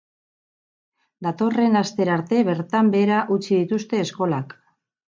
Datorren astera arte bertan behera utzi dituzte eskolak.